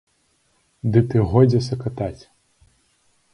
Ды ты годзе сакатаць!